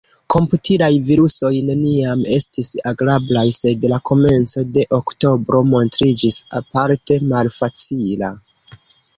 Komputilaj virusoj neniam estis agrablaj, sed la komenco de oktobro montriĝis aparte malfacila.